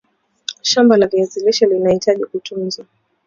shamba la viazi lishe linahitaji kutunzwa